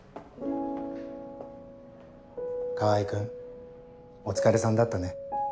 川合君お疲れさんだったね。